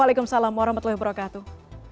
waalaikumsalam warahmatullahi wabarakatuh